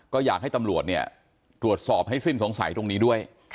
ก็อยากให้ตำรวจเนี่ยตรวจสอบให้สิ้นสงสัยตรงนี้ด้วย